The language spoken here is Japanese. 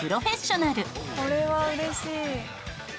「これはうれしい！」